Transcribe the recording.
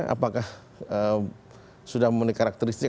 apakah sudah memiliki karakteristik